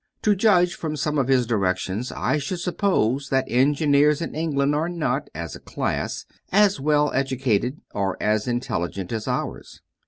To judge from some of his directions, I should suppose that engineers in England are not, as a class, as well educated or as intelligent as ours.